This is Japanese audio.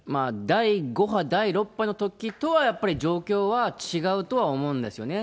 第５波、第６波のときとはやっぱり状況は違うとは思うんですよね。